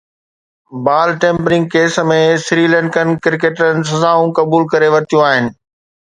بال tampering case ۾ Sri Lankan ڪرڪيٽرن سزائون قبول ڪري ورتيون آهن